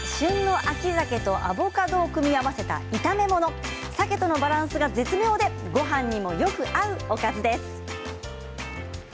今日は旬の秋ざけとアボカドを組み合わせた炒め物さけとのバランスが絶妙でごはんにもよく合うおかずです。